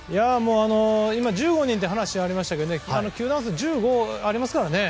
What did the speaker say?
今、１５人という話がありましたけど球団数１５ありますからね。